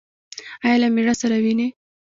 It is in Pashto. ایا له میړه سره وینئ؟